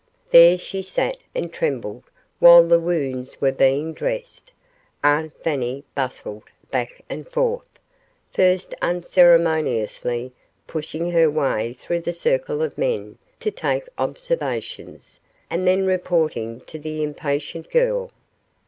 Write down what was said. There she sat and trembled while the wounds were being dressed. Aunt Fanny bustled back and forth, first unceremoniously pushing her way through the circle of men to take observations, and then reporting to the impatient girl.